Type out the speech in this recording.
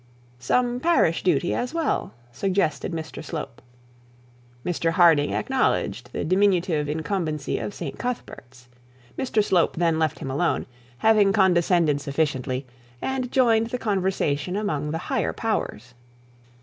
'Some parish duties as well,' suggested Mr Slope. Mr Harding acknowledged the diminutive incumbency of St Cuthbert's. Mr Slope then left him alone, having condescended sufficiently, and joined the conversation among the higher powers.